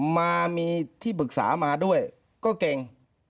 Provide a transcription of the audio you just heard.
มามีที่ปรึกษามาด้วยก็เก่ง